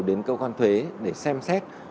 đến cơ quan thuế để xem xét